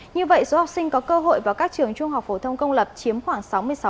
như vậy số học sinh có cơ hội vào các trường trung học phổ thông công lập chiếm khoảng sáu mươi sáu